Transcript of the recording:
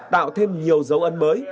tạo thêm nhiều dấu ân mới